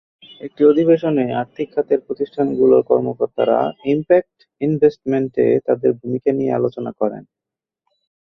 একটি অধিবেশনে আর্থিক খাতের প্রতিষ্ঠানগুলোর কর্মকর্তারা ইমপ্যাক্ট ইনভেস্টমেন্টে তাঁদের ভূমিকা নিয়ে আলোচনা করেন।